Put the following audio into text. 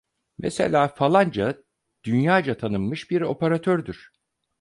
Mesela, falanca dünyaca tanınmış bir operatördür.